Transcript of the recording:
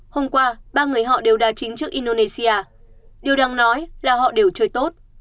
hôm qua ba người họ đều đà chính trước indonesia điều đáng nói là họ đều chơi tốt